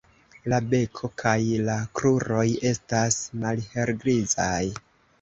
La beko kaj la kruroj estas malhelgrizaj.